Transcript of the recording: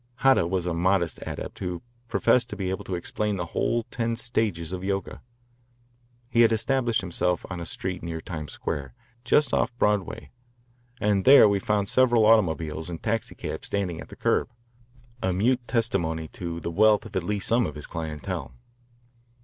Hata was a modest adept who professed to be able to explain the whole ten stages of Yoga. He had established himself on a street near Times Square, just off Broadway, and there we found several automobiles and taxicabs standing at the curb, a mute testimony to the wealth of at least some of his clientele.